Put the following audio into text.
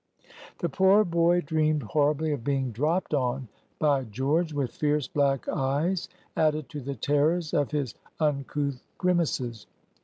The poor boy dreamed horribly of being "dropped on" by George, with fierce black eyes added to the terrors of his uncouth grimaces.